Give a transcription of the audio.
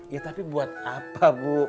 ya tapi buat apa bu